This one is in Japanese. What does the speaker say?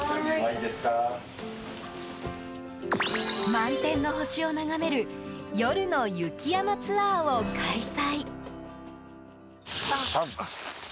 満天の星を眺める夜の雪山ツアーを開催！